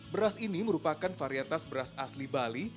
beras ini merupakan varietas beras asli bali